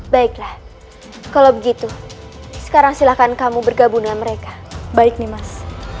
baiklah kalau begitu sekarang silahkan kamu bergabung dengan mereka baik nih mas